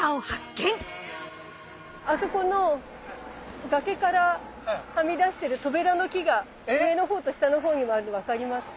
あそこの崖からはみ出してるトベラの木が上の方と下の方にもあるの分かりますか？